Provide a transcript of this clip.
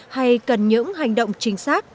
hay cần những hành động chính xác